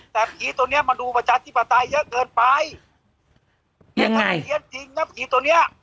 แต่ผีตัวเนี้ยมันดูประจาชีพภาษาเยอะเกินไปยังไงถ้าเรียนจริงนะผีตัวเนี้ย